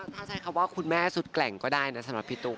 ถ้าใช้คำว่าคุณแม่สุดแกร่งก็ได้นะสำหรับพี่ตุ๊ก